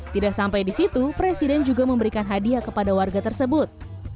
tidak sampai di situ presiden juga memberikan hadiah kepada warga tersebut